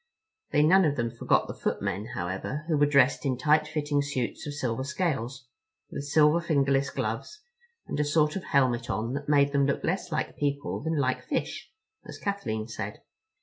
They none of them forgot the footmen, however, who were dressed in tight fitting suits of silver scales, with silver fingerless gloves, and a sort of helmet on that made them look less like people than like fish, as Kathleen said.